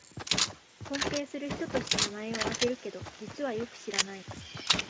尊敬する人として名前をあげるけど、実はよく知らない